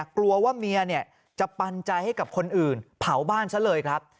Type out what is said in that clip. กลัวว่าเมียจะปันใจให้กับคนอื่นเผาบ้านซะเลยครับ